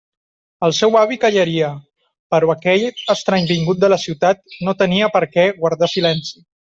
El seu avi callaria, però aquell estrany vingut de la ciutat no tenia per què guardar silenci.